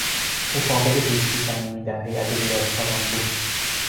او فاقد دوستی صمیمی در هیئت ویراستاران بود.